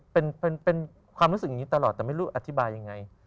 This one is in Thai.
เป็นความรู้สึกอย่างนี้ตลอดแต่ไม่รู้อธิบายยังไง